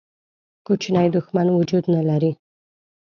کوچنی دښمن وجود نه لري.